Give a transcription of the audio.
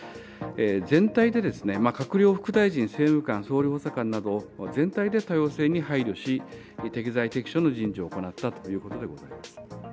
全体で閣僚、副大臣、政務官、総理補佐官など、全体で多様性に配慮し、適材適所の人事を行ったということでございます。